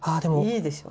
いいでしょ。